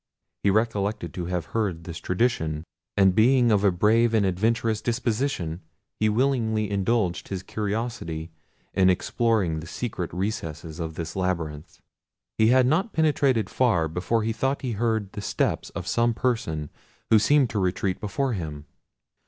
He recollected to have heard this tradition; and being of a brave and adventurous disposition, he willingly indulged his curiosity in exploring the secret recesses of this labyrinth. He had not penetrated far before he thought he heard the steps of some person who seemed to retreat before him.